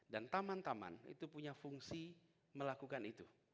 dan taman taman itu punya fungsi melakukan itu